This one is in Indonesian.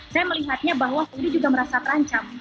saya melihatnya bahwa saudi juga merasa terancam